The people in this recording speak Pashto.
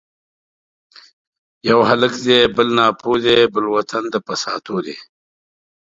یو هلک دی بل ناپوه دی ـ بل وطن د فساتو دی